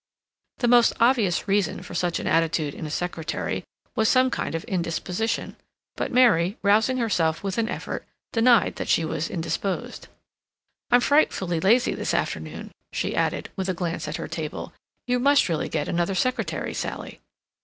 The most obvious reason for such an attitude in a secretary was some kind of indisposition. But Mary, rousing herself with an effort, denied that she was indisposed. "I'm frightfully lazy this afternoon," she added, with a glance at her table. "You must really get another secretary, Sally."